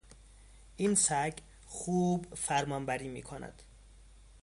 این سگ خوب فرمانبری می کند.